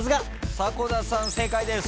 迫田さん正解です。